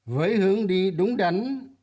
với hướng đi đúng đắn